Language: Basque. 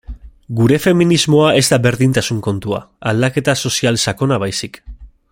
Gure feminismoa ez da berdintasun kontua, aldaketa sozial sakona baizik.